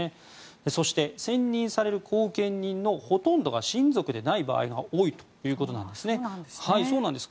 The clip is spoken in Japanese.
そして、選任される後見人のほとんどが親族でない場合が多いということなんですね。